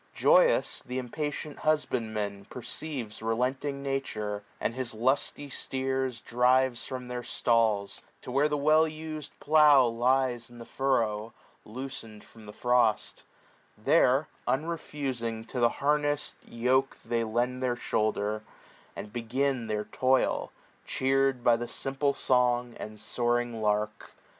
Joyous, th' impatient husbandman perceives Relenting Nature, and his lusty steers 35 Drives from their stalls, to where the well us'd plough Lies in the furrow, loosened from the frost ; There, unreftising, to the hamess'd yoke They lend their shoulder, and begin their toil, Cheer'd by the simple song and soaring lark.